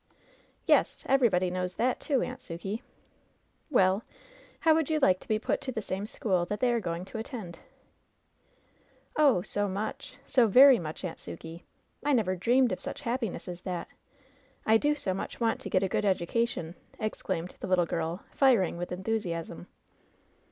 "Yes, everybody knows that, too. Aunt Sukey." "Well, how would you like to be put to the same school that they are going to attend ?" "Oh, so much ! So very much. Aunt Sukey ! I never dreamed of such happiness as that ! I do so much want to get a good education I" exclaimed the little girl, firing with enthusiasm.